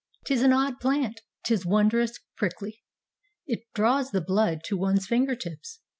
^Tis an odd plant! ^Tis wondrous prickly! It draws the blood to one's finger tips.